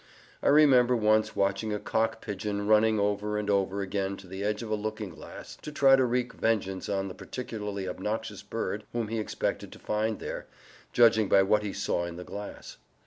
I remember once watching a cock pigeon running over and over again to the edge of a looking glass to try to wreak vengeance on the particularly obnoxious bird whom he expected to find there, judging by what he saw in the glass.